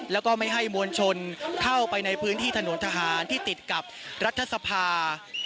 แล้วก็ไม่ให้มวลชนเข้าไปในพื้นที่ถนนทหารที่ติดกับรัฐสภา